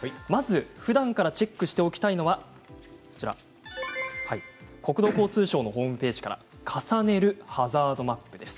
ふだんからチェックしておきたいのは国土交通省のホームページから「重ねるハザードマップ」です。